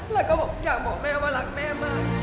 แล้วก็อยากบอกแม่ว่ารักแม่มาก